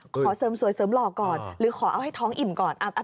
ขอเสริมสวยเสริมหล่อก่อนหรือขอเอาให้ท้องอิ่มก่อน